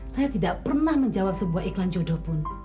saya tidak pernah menjawab iklan jodoh